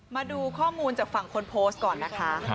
มาดูข้อมูลจากฝั่งคนโพสต์ก่อนนะคะ